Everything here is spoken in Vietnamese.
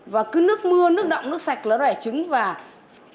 và cứ nước mưa nước đọng nước sạch nó đẻ trứng vào